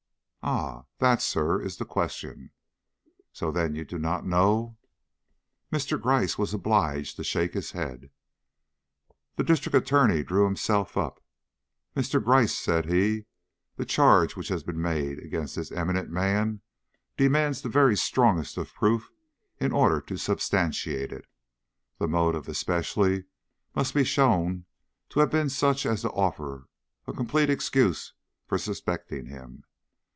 "Ah, that, sir, is the question." "So then you do not know?" Mr. Gryce was obliged to shake his head. The District Attorney drew himself up. "Mr. Gryce," said he, "the charge which has been made against this eminent man demands the very strongest proof in order to substantiate it. The motive, especially, must be shown to have been such as to offer a complete excuse for suspecting him.